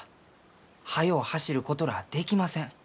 走ることらあできません。